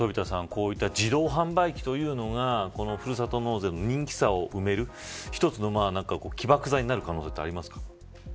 こういった自動販売機というのがふるさと納税の人気差を埋める一つの起爆剤になる可能性はありますか。